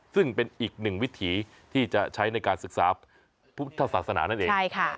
ซึ่งเป็นอีกหนึ่งวิถีที่จะใช้ในการศึกษาพุทธศาสนานั่นเอง